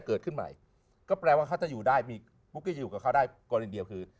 เกิดขึ้นใหม่ก็แปลว่าเขาจะอยู่ได้มีก็ได้ก่อนอีกเดียวคือ